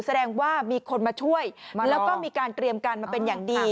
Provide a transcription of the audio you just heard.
แสดงว่ามีคนมาช่วยแล้วก็มีการเตรียมการมาเป็นอย่างดี